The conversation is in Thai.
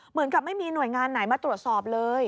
เหมือนกับไม่มีหน่วยงานไหนมาตรวจสอบเลย